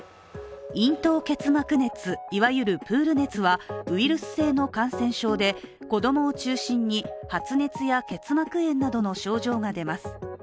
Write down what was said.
咽頭結膜熱、いわゆるプール熱はウイルス性の感染症で子供を中心に発熱や結膜炎などの症状が出ます。